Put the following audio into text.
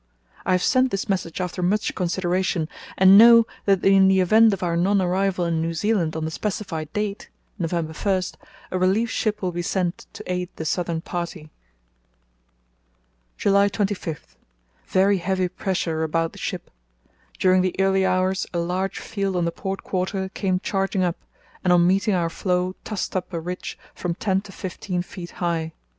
I have sent this message after much consideration, and know that in the event of our non arrival in New Zealand on the specified date (November 1) a relief ship will be sent to aid the Southern Party. "July 25.—Very heavy pressure about the ship. During the early hours a large field on the port quarter came charging up, and on meeting our floe tossed up a ridge from ten to fifteen feet high.